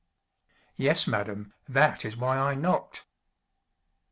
"Yes, madam, that is why I knocked!"